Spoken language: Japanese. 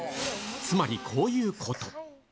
つまりこういうこと。